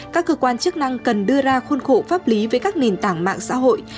các cơ quan chức năng cần đưa ra khuôn khổ pháp lý với các nền tảng mạng xã hội